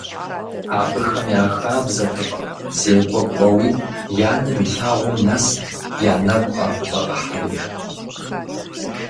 Абыхэм я хабзэтэкъым зекӀуэ кӀуэуи, я нэм илъагъум нэст я нэгу къахущӀэгъыхьэри.